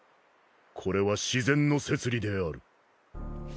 これは自然の摂理である。